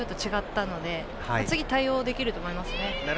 ただ、次は対応できると思います。